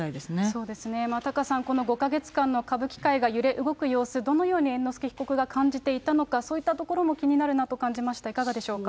そうですね、タカさん、この５か月間の歌舞伎界が揺れ動く様子、どのように猿之助被告が感じていたのか、そういったところも気になるなと感じました、いかがでしょうか。